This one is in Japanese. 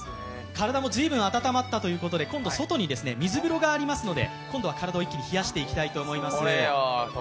体も随分温まったということで、今度は外に水風呂がありますので、今度は体を一気に冷やしていきたいと思います。